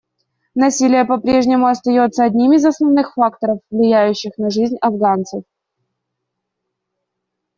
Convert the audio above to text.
Насилие по-прежнему остается одним из основных факторов, влияющих на жизнь афганцев.